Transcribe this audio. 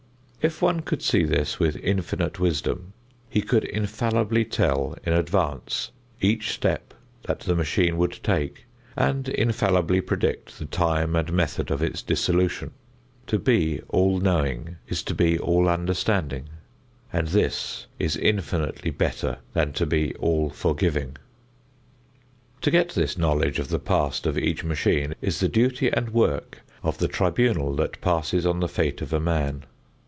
If one could see this with infinite wisdom, he could infallibly tell in advance each step that the machine would take and infallibly predict the time and method of its dissolution. To be all knowing is to be all understanding, and this is infinitely better than to be all forgiving. To get this knowledge of the past of each machine is the duty and work of the tribunal that passes on the fate of a man.